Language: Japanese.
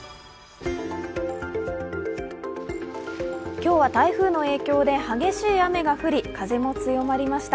今日は台風の影響で激しい雨が降り、風も強まりました。